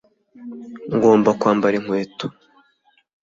Ngomba kwambara inkweto